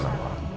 siap titip ya